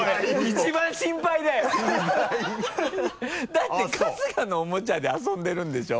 だって春日のおもちゃで遊んでるんでしょ？